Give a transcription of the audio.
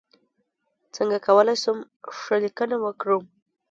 څنګه کولی شم ښه لیکنه وکړم